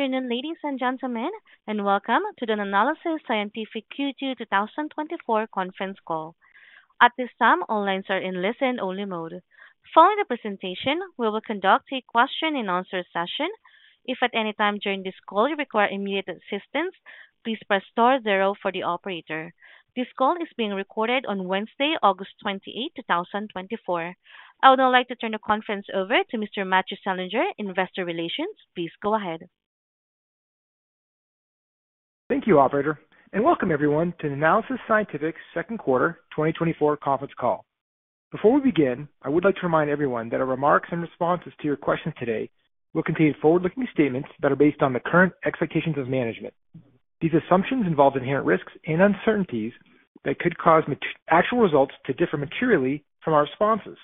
Good afternoon, ladies and gentlemen, and welcome to the Nanalysis Scientific Q2 2024 conference call. At this time, all lines are in listen-only mode. Following the presentation, we will conduct a question-and-answer session. If at any time during this call you require immediate assistance, please press star zero for the operator. This call is being recorded on Wednesday, August twenty-eight, 2024. I would now like to turn the conference over to Mr. Matthew Salinger, Investor Relations. Please go ahead. Thank you, operator, and welcome everyone to Nanalysis Scientific's Q2 2024 conference call. Before we begin, I would like to remind everyone that our remarks and responses to your questions today will contain forward-looking statements that are based on the current expectations of management. These assumptions involve inherent risks and uncertainties that could cause actual results to differ materially from our responses.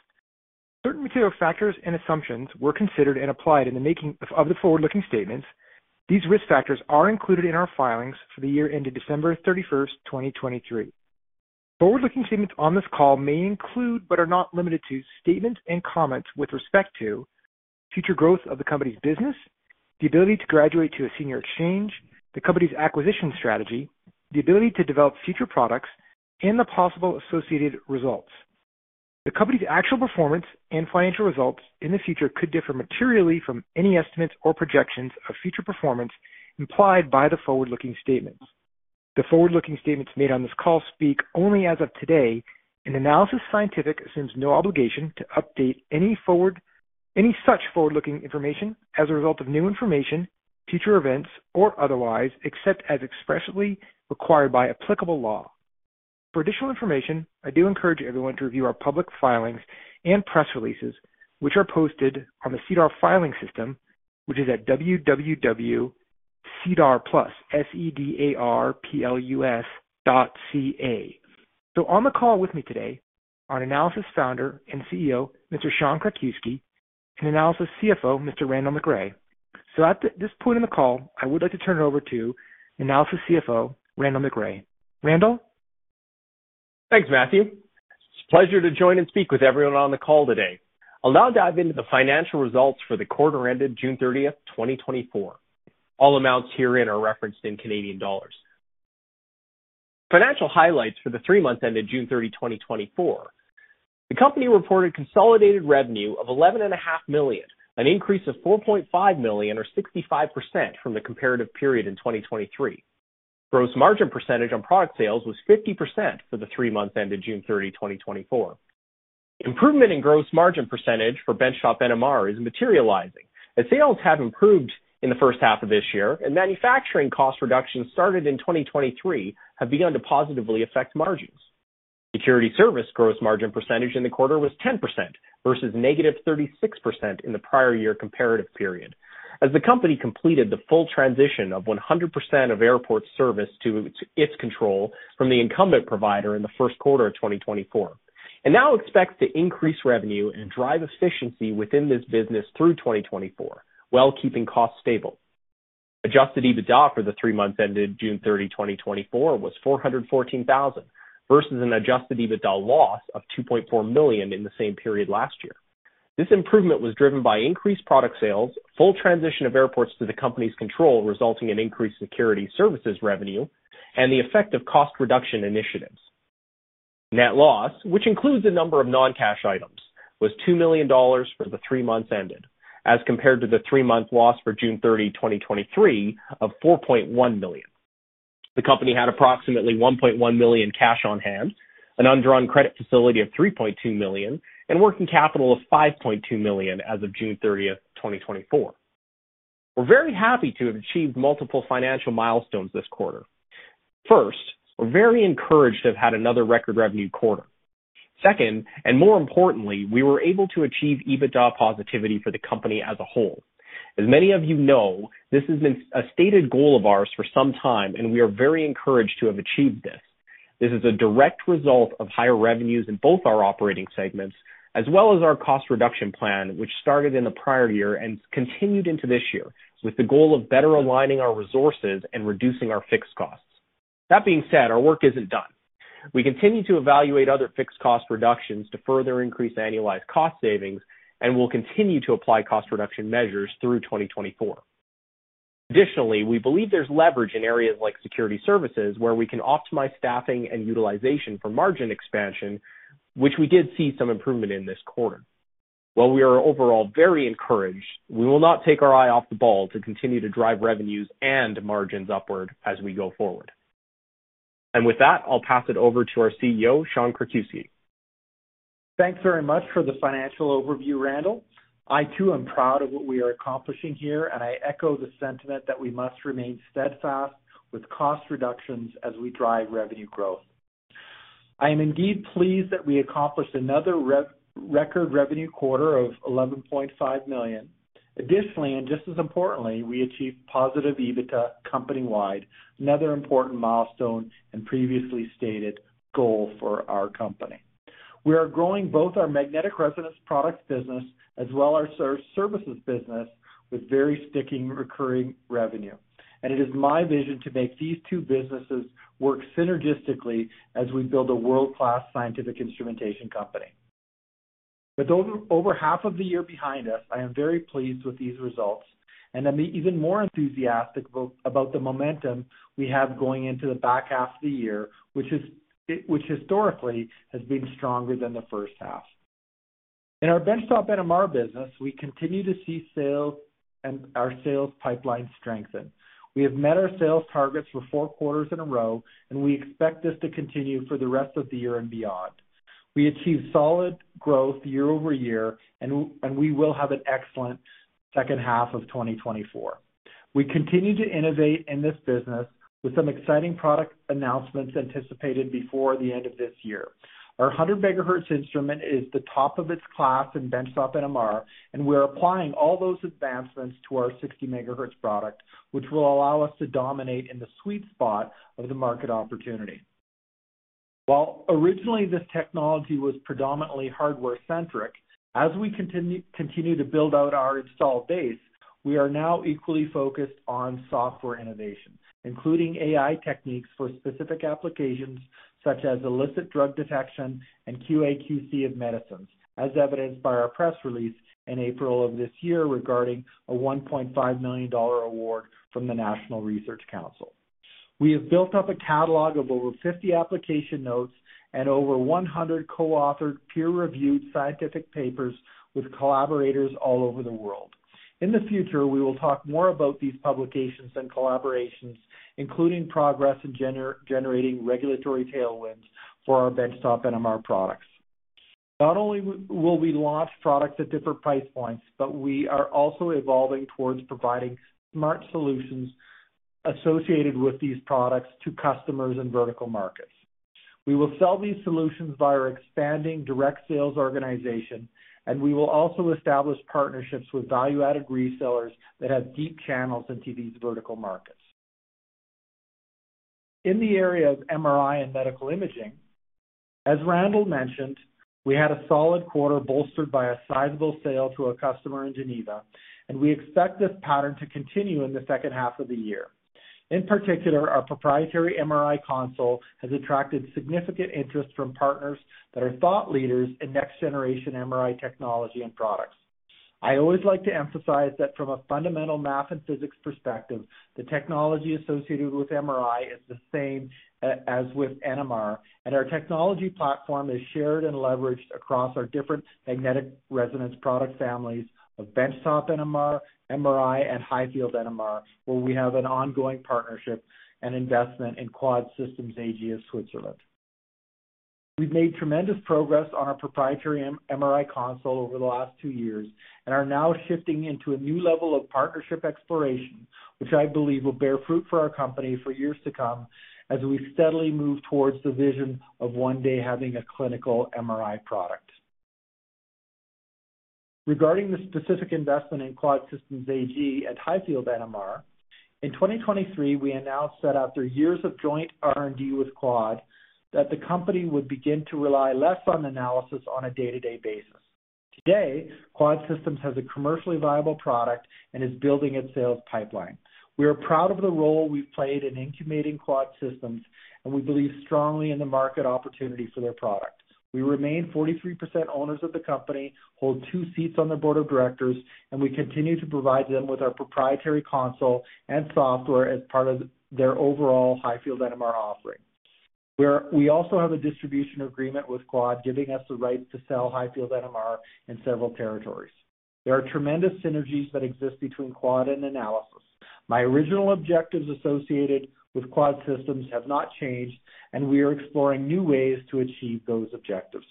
Certain material factors and assumptions were considered and applied in the making of the forward-looking statements. These risk factors are included in our filings for the year ending December thirty-first, 2023. Forward-looking statements on this call may include, but are not limited to, statements and comments with respect to future growth of the company's business, the ability to graduate to a senior exchange, the company's acquisition strategy, the ability to develop future products and the possible associated results. The company's actual performance and financial results in the future could differ materially from any estimates or projections of future performance implied by the forward-looking statements. The forward-looking statements made on this call speak only as of today, and Nanalysis Scientific assumes no obligation to update any such forward-looking information as a result of new information, future events, or otherwise, except as expressly required by applicable law. For additional information, I do encourage everyone to review our public filings and press releases, which are posted on the SEDAR filing system, which is at www.sedarplus, S-E-D-A-R-P-L-U-S.ca. So on the call with me today are Nanalysis founder and CEO, Mr. Sean Krakiwsky, and Nanalysis CFO, Mr. Randall McRae. So at this point in the call, I would like to turn it over to Nanalysis CFO, Randall McRae. Randall? Thanks, Matthew. It's a pleasure to join and speak with everyone on the call today. I'll now dive into the financial results for the quarter ended June 30, 2024. All amounts herein are referenced in Canadian dollars. Financial highlights for the three months ended June 30, 2024. The company reported consolidated revenue of 11.5 million, an increase of 4.5 million or 65% from the comparative period in 2023. Gross margin percentage on product sales was 50% for the three months ended June 30, 2024. Improvement in gross margin percentage for benchtop NMR is materializing, as sales have improved in the first half of this year, and manufacturing cost reductions started in 2023 have begun to positively affect margins. Security services gross margin percentage in the quarter was 10% versus -36% in the prior year comparative period, as the company completed the full transition of 100% of airport service to its control from the incumbent provider in the Q1 of 2024, and now expects to increase revenue and drive efficiency within this business through 2024, while keeping costs stable. Adjusted EBITDA for the three months ended June 30, 2024, was 414,000, versus an adjusted EBITDA loss of 2.4 million in the same period last year. This improvement was driven by increased product sales, full transition of airports to the company's control, resulting in increased security services revenue, and the effect of cost reduction initiatives. Net loss, which includes a number of non-cash items, was 2 million dollars for the three months ended, as compared to the three-month loss for June 30, 2023, of 4.1 million. The company had approximately 1.1 million cash on hand, an undrawn credit facility of 3.2 million, and working capital of 5.2 million as of June 30, 2024. We're very happy to have achieved multiple financial milestones this quarter. First, we're very encouraged to have had another record revenue quarter. Second, and more importantly, we were able to achieve EBITDA positivity for the company as a whole. As many of you know, this has been a stated goal of ours for some time, and we are very encouraged to have achieved this. This is a direct result of higher revenues in both our operating segments, as well as our cost reduction plan, which started in the prior year and continued into this year, with the goal of better aligning our resources and reducing our fixed costs. That being said, our work isn't done. We continue to evaluate other fixed cost reductions to further increase annualized cost savings, and we'll continue to apply cost reduction measures through 2024. Additionally, we believe there's leverage in areas like security services, where we can optimize staffing and utilization for margin expansion, which we did see some improvement in this quarter. While we are overall very encouraged, we will not take our eye off the ball to continue to drive revenues and margins upward as we go forward. And with that, I'll pass it over to our CEO, Sean Krakiwsky. Thanks very much for the financial overview, Randall. I, too, am proud of what we are accomplishing here, and I echo the sentiment that we must remain steadfast with cost reductions as we drive revenue growth. I am indeed pleased that we accomplished another record revenue quarter of 11.5 million. Additionally, and just as importantly, we achieved positive EBITDA company-wide, another important milestone and previously stated goal for our company. We are growing both our magnetic resonance products business as well our services business with very sticky, recurring revenue, and it is my vision to make these two businesses work synergistically as we build a world-class scientific instrumentation company. With over half of the year behind us, I am very pleased with these results, and I'm even more enthusiastic about the momentum we have going into the back half of the year, which historically has been stronger than the first half. In our benchtop NMR business, we continue to see sales and our sales pipeline strengthen. We have met our sales targets for four quarters in a row, and we expect this to continue for the rest of the year and beyond. We achieved solid growth year over year, and we will have an excellent second half of 2024. We continue to innovate in this business with some exciting product announcements anticipated before the end of this year. Our 100 megahertz instrument is the top of its class in benchtop NMR, and we're applying all those advancements to our 60 megahertz product, which will allow us to dominate in the sweet spot of the market opportunity. While originally, this technology was predominantly hardware-centric, as we continue to build out our install base, we are now equally focused on software innovation, including AI techniques for specific applications such as illicit drug detection and QA/QC of medicines, as evidenced by our press release in April of this year regarding a 1.5 million dollar award from the National Research Council. We have built up a catalog of over 50 application notes and over 100 co-authored, peer-reviewed scientific papers with collaborators all over the world. In the future, we will talk more about these publications and collaborations, including progress in generating regulatory tailwinds for our benchtop NMR products. Not only will we launch products at different price points, but we are also evolving towards providing smart solutions associated with these products to customers in vertical markets. We will sell these solutions by our expanding direct sales organization, and we will also establish partnerships with value-added resellers that have deep channels into these vertical markets. In the area of MRI and medical imaging, as Randall mentioned, we had a solid quarter bolstered by a sizable sale to a customer in Geneva, and we expect this pattern to continue in the second half of the year. In particular, our proprietary MRI console has attracted significant interest from partners that are thought leaders in next-generation MRI technology and products. I always like to emphasize that from a fundamental math and physics perspective, the technology associated with MRI is the same, as with NMR, and our technology platform is shared and leveraged across our different magnetic resonance product families of benchtop NMR, MRI, and high-field NMR, where we have an ongoing partnership and investment in Quad Systems AG of Switzerland. We've made tremendous progress on our proprietary MRI console over the last two years and are now shifting into a new level of partnership exploration, which I believe will bear fruit for our company for years to come as we steadily move towards the vision of one day having a clinical MRI product. Regarding the specific investment in Quad Systems AG and high-field NMR, in 2023, we announced that after years of joint R&D with Quad, that the company would begin to rely less on Nanalysis on a day-to-day basis. Today, Quad Systems has a commercially viable product and is building its sales pipeline. We are proud of the role we've played in incubating Quad Systems, and we believe strongly in the market opportunity for their product. We remain 43% owners of the company, hold two seats on their board of directors, and we continue to provide them with our proprietary console and software as part of their overall high-field NMR offering. We're also have a distribution agreement with Quad, giving us the right to sell high-field NMR in several territories. There are tremendous synergies that exist between Quad and Nanalysis. My original objectives associated with Quad Systems have not changed, and we are exploring new ways to achieve those objectives.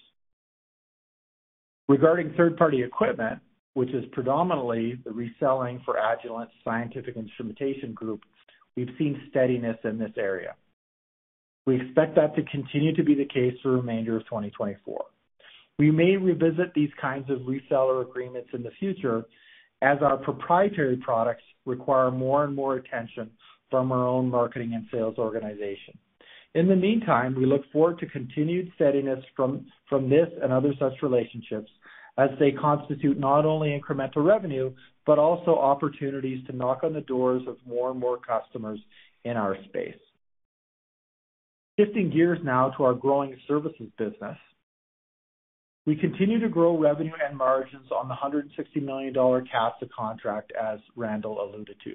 Regarding third-party equipment, which is predominantly the reselling for Agilent's scientific instrumentation group, we've seen steadiness in this area. We expect that to continue to be the case for the remainder of 2024. We may revisit these kinds of reseller agreements in the future as our proprietary products require more and more attention from our own marketing and sales organization. In the meantime, we look forward to continued steadiness from this and other such relationships as they constitute not only incremental revenue, but also opportunities to knock on the doors of more and more customers in our space. Shifting gears now to our growing services business. We continue to grow revenue and margins on the 160 million dollar CATSA contract, as Randall alluded to.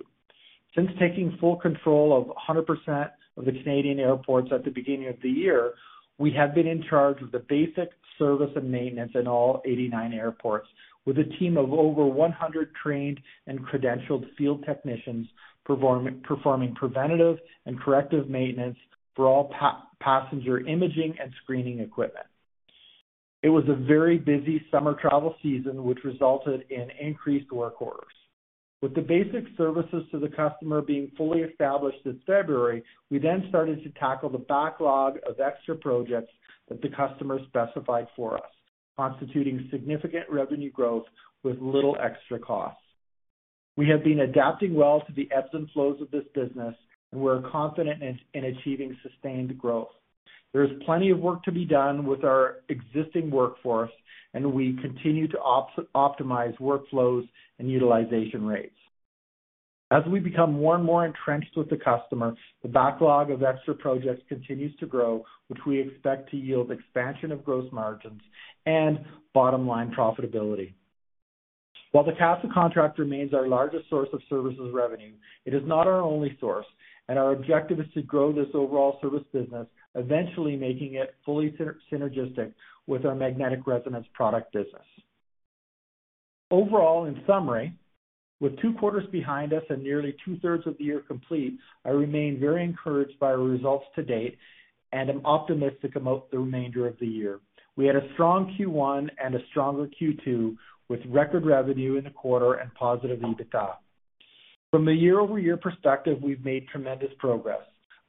Since taking full control of 100% of the Canadian airports at the beginning of the year, we have been in charge of the basic service and maintenance in all 89 airports, with a team of over 100 trained and credentialed field technicians performing preventative and corrective maintenance for all passenger imaging and screening equipment. It was a very busy summer travel season, which resulted in increased work orders. With the basic services to the customer being fully established in February, we then started to tackle the backlog of extra projects that the customer specified for us, constituting significant revenue growth with little extra costs. We have been adapting well to the ebbs and flows of this business, and we're confident in achieving sustained growth. There is plenty of work to be done with our existing workforce, and we continue to optimize workflows and utilization rates. As we become more and more entrenched with the customer, the backlog of extra projects continues to grow, which we expect to yield expansion of gross margins and bottom-line profitability. While the CATSA contract remains our largest source of services revenue, it is not our only source, and our objective is to grow this overall service business, eventually making it fully synergistic with our magnetic resonance product business. Overall, in summary, with two quarters behind us and nearly two-thirds of the year complete, I remain very encouraged by our results to date and am optimistic about the remainder of the year. We had a strong Q1 and a stronger Q2, with record revenue in the quarter and positive EBITDA. From a year-over-year perspective, we've made tremendous progress.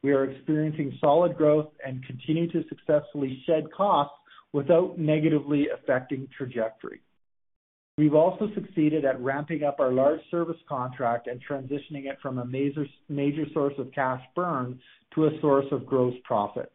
We are experiencing solid growth and continue to successfully shed costs without negatively affecting trajectory. We've also succeeded at ramping up our large service contract and transitioning it from a major source of cash burn to a source of gross profit.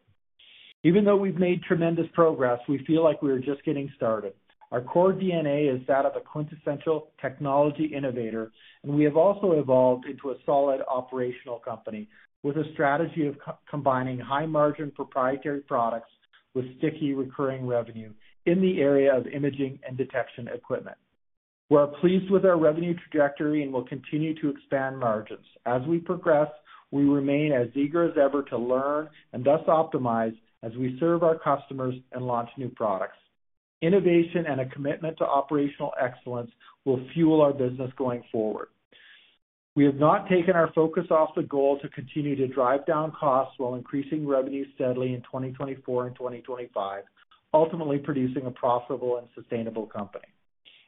Even though we've made tremendous progress, we feel like we are just getting started. Our core DNA is that of a quintessential technology innovator, and we have also evolved into a solid operational company with a strategy of combining high-margin, proprietary products with sticky, recurring revenue in the area of imaging and detection equipment. We're pleased with our revenue trajectory and will continue to expand margins. As we progress, we remain as eager as ever to learn and thus optimize as we serve our customers and launch new products. Innovation and a commitment to operational excellence will fuel our business going forward. We have not taken our focus off the goal to continue to drive down costs while increasing revenue steadily in 2024 and 2025, ultimately producing a profitable and sustainable company.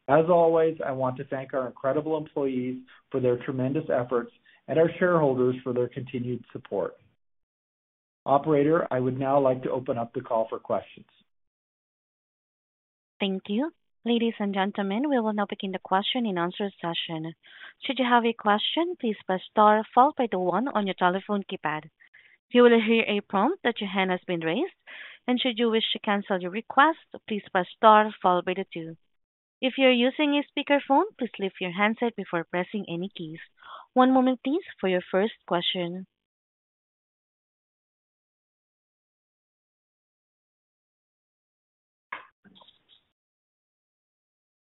As always, I want to thank our incredible employees for their tremendous efforts and our shareholders for their continued support. Operator, I would now like to open up the call for questions. Thank you. Ladies and gentlemen, we will now begin the question-and-answer session. Should you have a question, please press star followed by the one on your telephone keypad. You will hear a prompt that your hand has been raised, and should you wish to cancel your request, please press star followed by the two. If you're using a speakerphone, please lift your handset before pressing any keys. One moment, please, for your first question.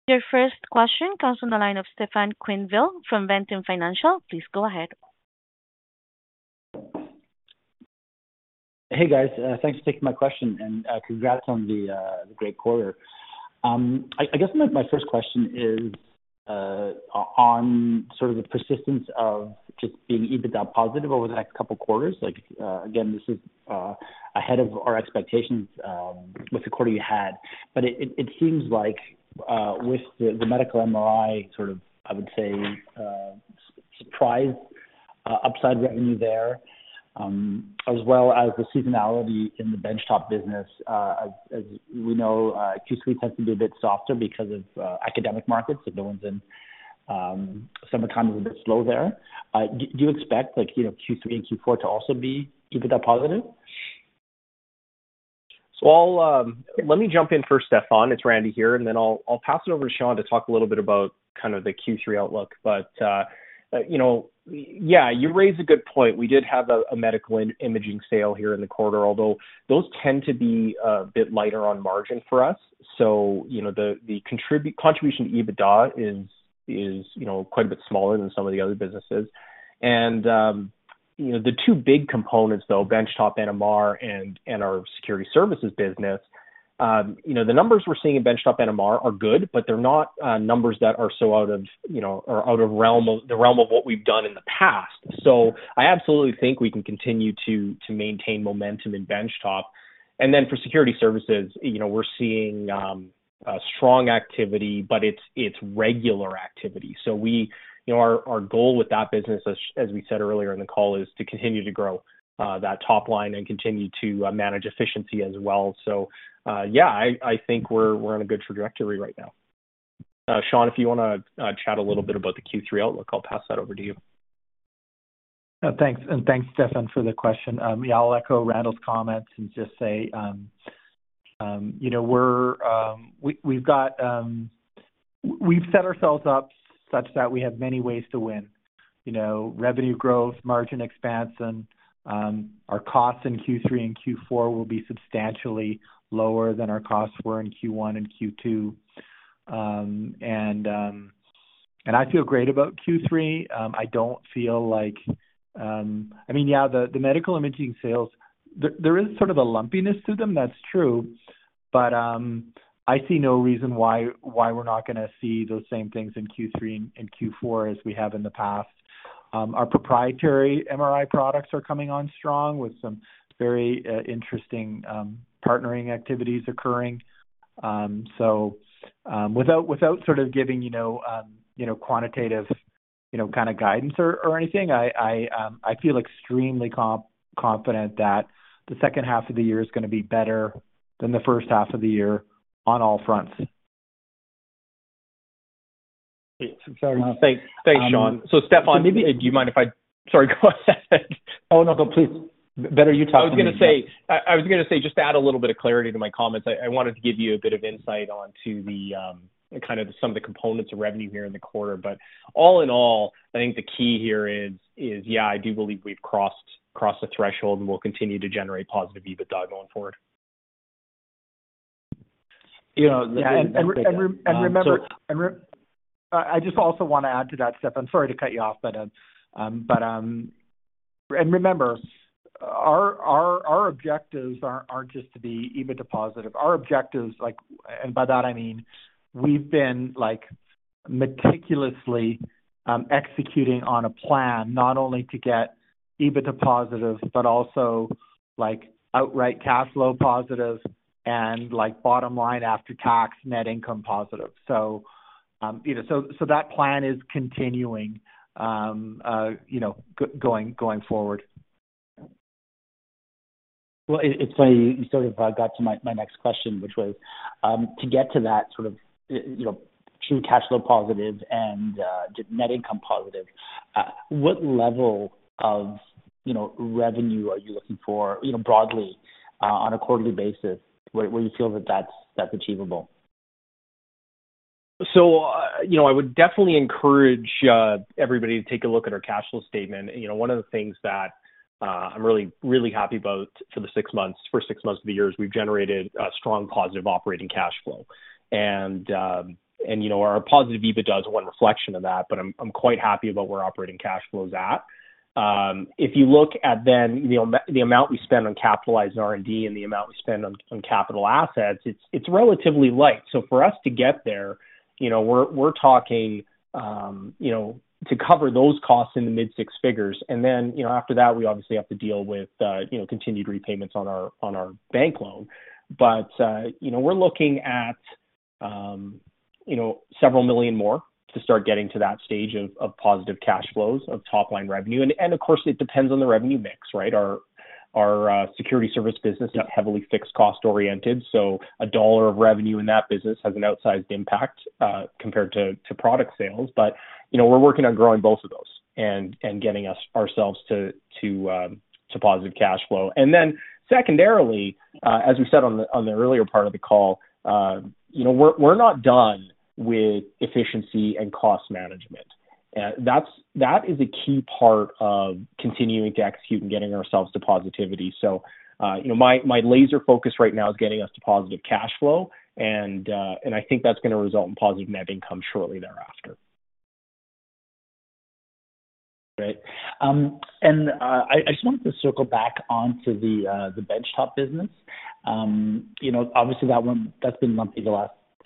Your first question comes from the line of Stefan Quenneville from Ventum Financial. Please go ahead. Hey, guys, thanks for taking my question, and, congrats on the great quarter. I guess my first question is on sort of the persistence of just being EBITDA positive over the next couple quarters. Like, again, this is ahead of our expectations with the quarter you had. But it seems like with the medical MRI sort of, I would say, surprise upside revenue there, as well as the seasonality in the benchtop business. As we know, Q3 tends to be a bit softer because of academic markets. So no one's in, summertime is a bit slow there. Do you expect, like, you know, Q3 and Q4 to also be EBITDA positive? Let me jump in first, Stefan. It's Randy here, and then I'll pass it over to Sean to talk a little bit about kind of the Q3 outlook. You know, yeah, you raised a good point. We did have a medical imaging sale here in the quarter, although those tend to be a bit lighter on margin for us. You know, the contribution to EBITDA is, you know, quite a bit smaller than some of the other businesses. You know, the two big components, though, benchtop NMR and our security services business, you know, the numbers we're seeing in benchtop NMR are good, but they're not numbers that are so out of the realm of what we've done in the past. So I absolutely think we can continue to maintain momentum in benchtop. And then for security services, you know, we're seeing a strong activity, but it's regular activity. So we, you know, our goal with that business, as we said earlier in the call, is to continue to grow that top line and continue to manage efficiency as well. So, yeah, I think we're on a good trajectory right now. Sean, if you wanna chat a little bit about the Q3 outlook, I'll pass that over to you. Thanks, and thanks, Stefan, for the question. Yeah, I'll echo Randall's comments and just say, you know, we've set ourselves up such that we have many ways to win. You know, revenue growth, margin expansion. Our costs in Q3 and Q4 will be substantially lower than our costs were in Q1 and Q2, and I feel great about Q3. I don't feel like. I mean, yeah, the medical imaging sales, there is sort of a lumpiness to them, that's true, but I see no reason why we're not gonna see those same things in Q3 and Q4 as we have in the past. Our proprietary MRI products are coming on strong with some very interesting partnering activities occurring. So, without sort of giving you know you know quantitative you know kind of guidance or anything, I feel extremely confident that the second half of the year is gonna be better than the first half of the year on all fronts. Thanks. Thanks, Sean. So Stefan, maybe do you mind if I...? Sorry, go ahead. Oh, no, no, please. Better you talk I was gonna say, just to add a little bit of clarity to my comments, I wanted to give you a bit of insight onto the kind of some of the components of revenue here in the quarter. But all in all, I think the key here is, yeah, I do believe we've crossed the threshold, and we'll continue to generate positive EBITDA going forward. You know, and remember Um, so I just also wanna add to that, Stefan. I'm sorry to cut you off, but and remember, our objectives aren't just to be EBITDA positive. Our objectives, like and by that, I mean, we've been, like, meticulously executing on a plan, not only to get EBITDA positive, but also, like, outright cash flow positive and, like, bottom line after tax, net income positive, so you know, so that plan is continuing, you know, going forward. It's funny, you sort of got to my next question, which was to get to that sort of, you know, true cash flow positive and net income positive, what level of, you know, revenue are you looking for, you know, broadly, on a quarterly basis, where you feel that that's achievable? So, you know, I would definitely encourage everybody to take a look at our cash flow statement. You know, one of the things that I'm really, really happy about for the six months - first six months of the year, is we've generated a strong positive operating cash flow. And, you know, our positive EBITDA is one reflection of that, but I'm quite happy about where operating cash flows at. If you look at then the amount we spend on capitalizing R&D and the amount we spend on capital assets, it's relatively light. So for us to get there, you know, we're talking, you know, to cover those costs in the mid six figures. And then, you know, after that, we obviously have to deal with, you know, continued repayments on our bank loan. But you know, we're looking at you know, several million more to start getting to that stage of positive cash flows, of top line revenue. And of course, it depends on the revenue mix, right? Our security service business is heavily fixed cost oriented, so a dollar of revenue in that business has an outsized impact compared to product sales. But you know, we're working on growing both of those and getting ourselves to positive cash flow. And then secondarily, as we said on the earlier part of the call, you know, we're not done with efficiency and cost management. That's that is a key part of continuing to execute and getting ourselves to positivity. So, you know, my laser focus right now is getting us to positive cash flow, and I think that's gonna result in positive net income shortly thereafter. Great, and I just wanted to circle back onto the benchtop business. You know, obviously that one, that's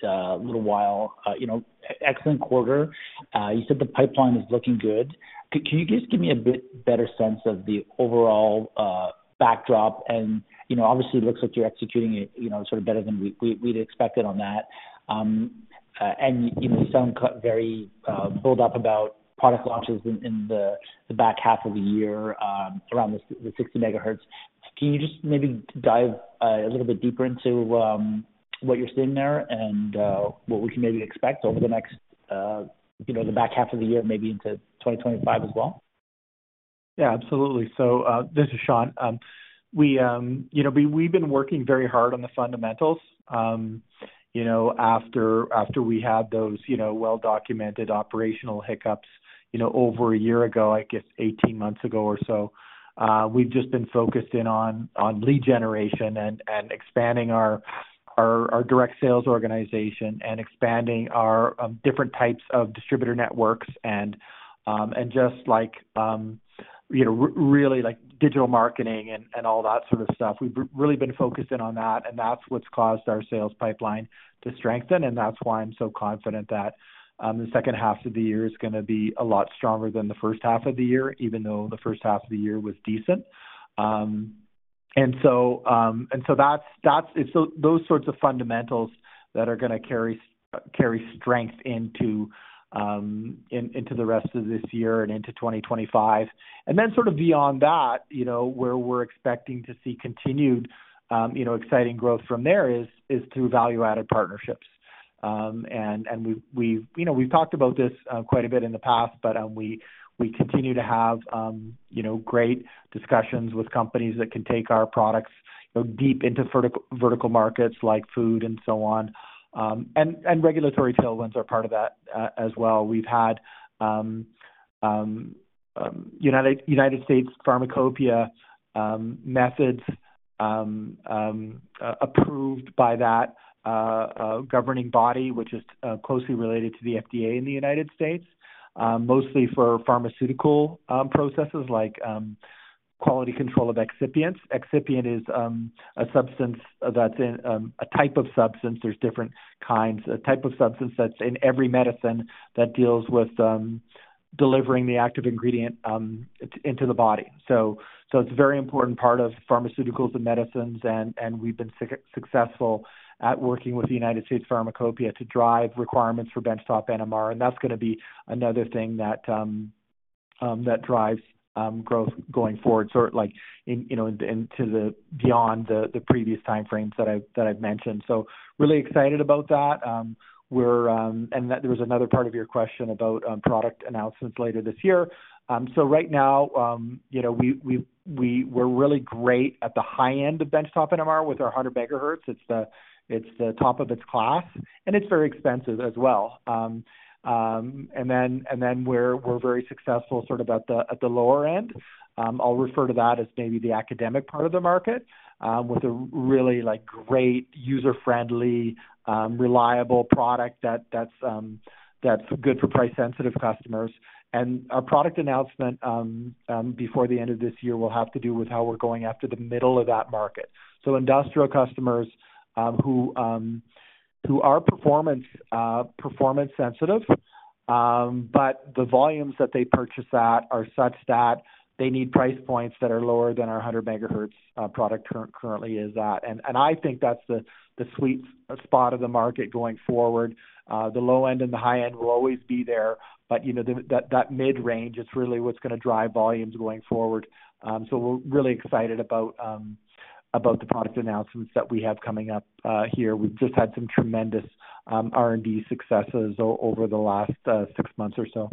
been lumpy the last little while. You know, excellent quarter. You said the pipeline is looking good. Can you just give me a bit better sense of the overall backdrop? And, you know, obviously, it looks like you're executing it, you know, sort of better than we'd expected on that. And, you know, you sound very bullish about product launches in the back half of the year, around the 60 megahertz. Can you just maybe dive a little bit deeper into what you're seeing there and what we can maybe expect over the next you know the back half of the year maybe into 2025 as well? Yeah, absolutely, so this is Sean. You know, we've been working very hard on the fundamentals. You know, after we had those, you know, well-documented operational hiccups, you know, over a year ago, I guess eighteen months ago or so, we've just been focused in on lead generation and expanding our direct sales organization and expanding our different types of distributor networks, and just like, you know, really like digital marketing and all that sort of stuff. We've really been focused in on that, and that's what's caused our sales pipeline to strengthen, and that's why I'm so confident that the second half of the year is gonna be a lot stronger than the first half of the year, even though the first half of the year was decent. And so that's those sorts of fundamentals that are gonna carry strength into the rest of this year and into 2025. Then sort of beyond that, you know, where we're expecting to see continued, you know, exciting growth from there is through value-added partnerships. And we've, you know, we've talked about this quite a bit in the past, but we continue to have, you know, great discussions with companies that can take our products, you know, deep into vertical markets like food and so on. And regulatory tailwinds are part of that as well. We've had United States Pharmacopeia methods approved by that governing body, which is closely related to the FDA in the United States. Mostly for pharmaceutical processes like quality control of excipients. Excipient is a substance that's in a type of substance. There's different kinds. A type of substance that's in every medicine that deals with delivering the active ingredient into the body. So it's a very important part of pharmaceuticals and medicines, and we've been successful at working with the United States Pharmacopeia to drive requirements for benchtop NMR, and that's gonna be another thing that drives growth going forward. Sort of like, in, you know, into the beyond the previous timeframes that I've mentioned. So really excited about that. and that there was another part of your question about product announcements later this year. So right now, you know, we're really great at the high end of benchtop NMR with our 100 megahertz. It's the top of its class, and it's very expensive as well. And then we're very successful sort of at the lower end. I'll refer to that as maybe the academic part of the market with a really, like, great user-friendly reliable product that's good for price sensitive customers. Our product announcement before the end of this year will have to do with how we're going after the middle of that market. So industrial customers who are performance sensitive, but the volumes that they purchase at are such that they need price points that are lower than our hundred megahertz product currently is at, and I think that's the sweet spot of the market going forward. The low end and the high end will always be there, but you know, that mid-range is really what's gonna drive volumes going forward, so we're really excited about the product announcements that we have coming up here. We've just had some tremendous R&D successes over the last six months or so.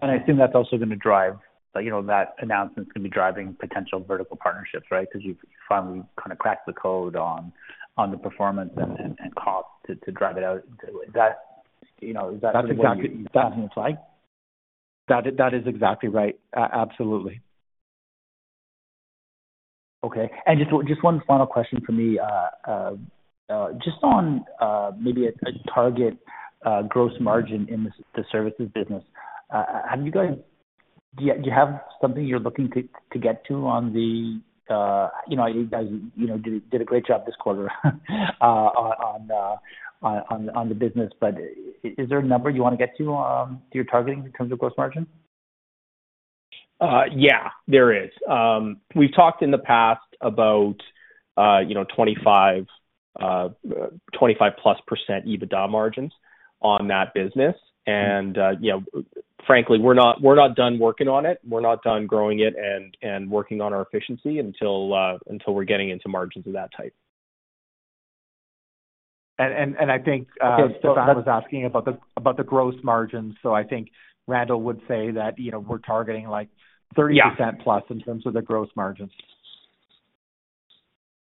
I assume that's also gonna drive. You know, that announcement is gonna be driving potential vertical partnerships, right? Because you've finally kind of cracked the code on the performance and cost to drive it out. That, you know, is that. That's exactly sounds like? That is exactly right. Absolutely. Okay. And just one final question for me. Just on maybe a target gross margin in the services business. How do you guys... Do you have something you're looking to get to on the... You know, you guys, you know, did a great job this quarter on the business, but is there a number you want to get to, you're targeting in terms of gross margin? Yeah, there is. We've talked in the past about, you know, 25+% EBITDA margins on that business, and you know, frankly, we're not done working on it. We're not done growing it and working on our efficiency until we're getting into margins of that type. And I think I was asking about the gross margins, so I think Randall would say that, you know, we're targeting, like, 30+% Yeah. in terms of the gross margins.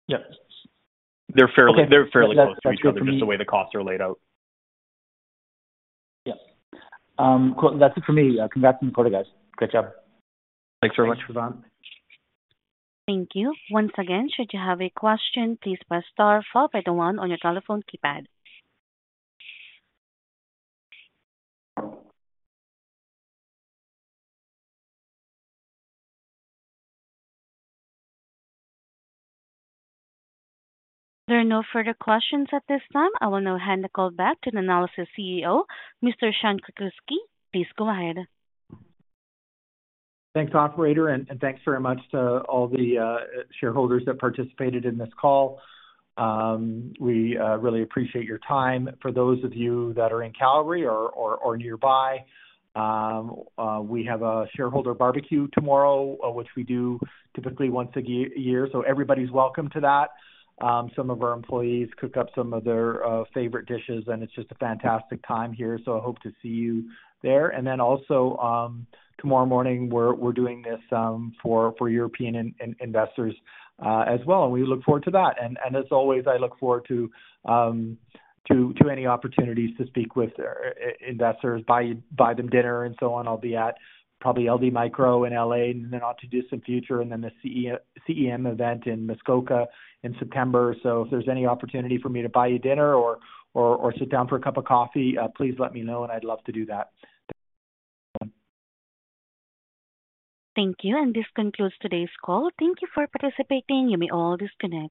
Yep. They're fairly- Okay. They're fairly close to the way the costs are laid out. Yeah. Cool. That's it for me. Congrats on the quarter, guys. Good job. Thanks very much, Stefan. Thank you. Once again, should you have a question, please press star followed by the one on your telephone keypad. There are no further questions at this time. I will now hand the call back to the Nanalysis CEO, Mr. Sean Krakiwsky. Please go ahead. Thanks, operator, and thanks very much to all the shareholders that participated in this call. We really appreciate your time. For those of you that are in Calgary or nearby, we have a shareholder barbecue tomorrow, which we do typically once a year, so everybody's welcome to that. Some of our employees cook up some of their favorite dishes, and it's just a fantastic time here, so I hope to see you there, and then also, tomorrow morning, we're doing this for European investors as well, and we look forward to that, and as always, I look forward to any opportunities to speak with investors, buy them dinner, and so on. I'll be at probably LD Micro in LA, and then on to do some future, and then the CEM event in Muskoka in September. So if there's any opportunity for me to buy you dinner or sit down for a cup of coffee, please let me know, and I'd love to do that. Thank you, and this concludes today's call. Thank you for participating. You may all disconnect.